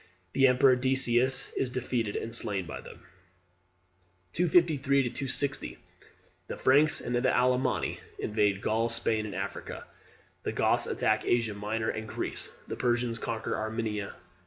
The emperor Decius is defeated and slain by them. 253 260. The Franks and Alemanni invade Gaul, Spain, and Africa. The Goths attack Asia Minor and Greece. The Persians conquer Armenia.